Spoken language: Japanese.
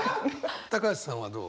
橋さんはどう？